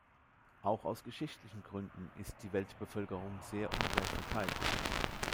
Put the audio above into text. Auch aus geschichtlichen Gründen ist die Weltbevölkerung sehr ungleich verteilt.